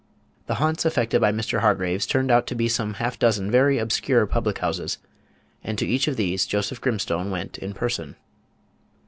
The haunts affected by Mr. Hargraves turned out to be some half dozen very obscure public houses, and to each of these Joseph Grimstone went in person.